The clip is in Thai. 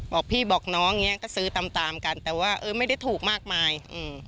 บอกพี่บอกน้องอย่างเงี้ยก็ซื้อตามตามกันแต่ว่าเออไม่ได้ถูกมากมายอืม